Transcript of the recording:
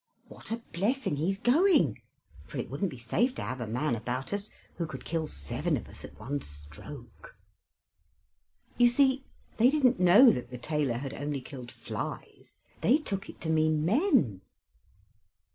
"What a blessing he's going; for it wouldn't be safe to have a man about us who could kill seven of us at one stroke." You see, they didn't know that the tailor had only killed flies; they took it to mean men.